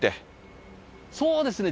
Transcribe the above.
そうですね。